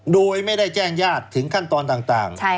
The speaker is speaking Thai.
โดยไม่ได้แจ้งญาติถึงขั้นตอนต่าง